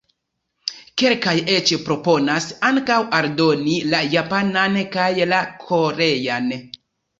Kelkaj eĉ proponas ankaŭ aldoni la Japanan kaj la Korean.